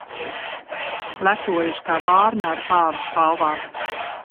Lepojas kā vārna ar pāva spalvām.